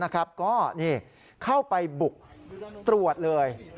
ก็เข้าไปบุกตรวจเลย